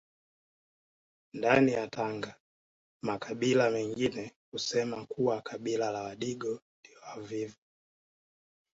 Ndani ya Tanga makabila mengine husema kuwa kabila la Wadigo ndio wavivu